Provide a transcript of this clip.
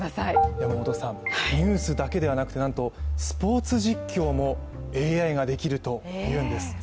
山本さん、ニュースだけではなくて、なんとスポーツ実況もＡＩができるというんです。